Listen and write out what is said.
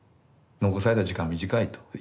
残された時間短いと。